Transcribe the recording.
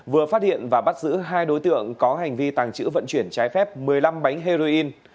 vừa phát hiện và bắt giữ hai đối tượng có hành vi tàng trữ vận chuyển trái phép một mươi năm bánh heroin